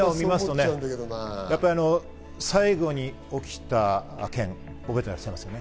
最後に起きた件を覚えていらっしゃいますよね。